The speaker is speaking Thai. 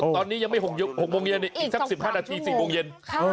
ตอนนี้ยังไม่๖โมงเย็นอีกสัก๑๕นาที๔โมงเย็น